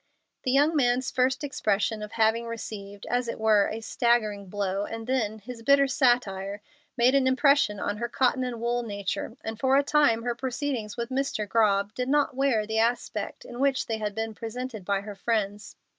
The young man's first expression of having received, as it were, a staggering blow, and then his bitter satire, made an impression on her cotton and wool nature, and for a time her proceedings with Mr. Grobb did not wear the aspect in which they had been presented by her friends.